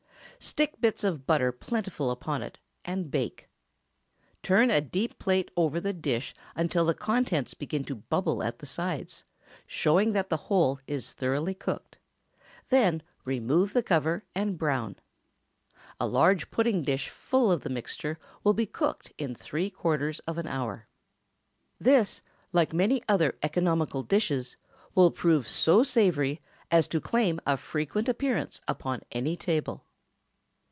Stick bits of butter plentifully upon it, and bake. Turn a deep plate over the dish until the contents begin to bubble at the sides, showing that the whole is thoroughly cooked; then remove the cover, and brown. A large pudding dish full of the mixture will be cooked in three quarters of an hour. This, like many other economical dishes, will prove so savory as to claim a frequent appearance upon any table.